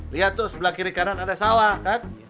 lihat tuh sebelah kiri kanan ada sawah kan